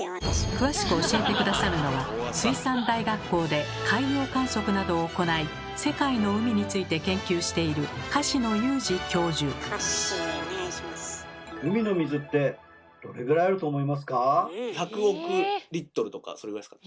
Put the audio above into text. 詳しく教えて下さるのは水産大学校で海洋観測などを行い世界の海について研究している１００億とかそれぐらいですか？